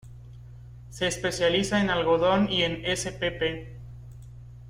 Se especializa en algodón y en spp.